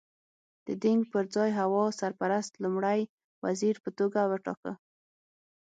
د دینګ پر ځای هوا سرپرست لومړی وزیر په توګه وټاکه.